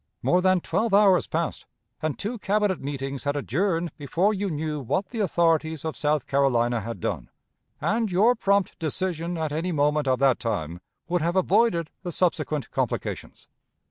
More than twelve hours passed, and two Cabinet meetings had adjourned before you knew what the authorities of South Carolina had done, and your prompt decision at any moment of that time would have avoided the subsequent complications.